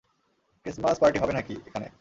Christmas party হবে নাকি এখানে?